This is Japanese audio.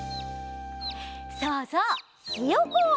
そうそうひよこ！